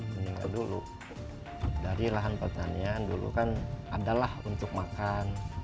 menimpa dulu dari lahan pertanian dulu kan adalah untuk makan